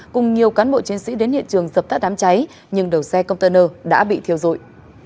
cùng nhiều cán bộ chiến sĩ đến hiện trường dập tắt đám cháy nhưng đầu xe container đã bị thiêu rụi